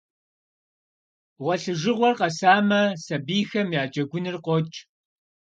Гъуэлъыжыгъуэр къэсамэ, сабийхэм я джэгуныр къокӏ.